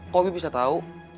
kok ibu bisa tahu